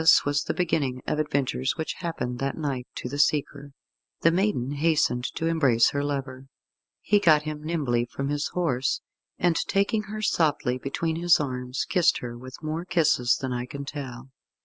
This was the beginning of adventures which happened that night to the seeker. The maiden hastened to embrace her lover. He got him nimbly from his horse, and taking her softly between his arms, kissed her with more kisses than I can tell.